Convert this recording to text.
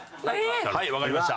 はいわかりました。